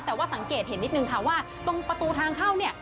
แต่ว่าสังเกตเห็นนิดนึงค่ะว่าตรงประตูทางเข้าเนี่ย